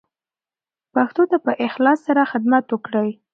پښتو ته په اخلاص سره خدمت وکړئ.